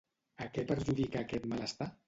A què perjudica aquest malestar?